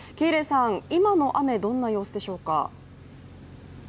今の雨、どんな様子でしょうか？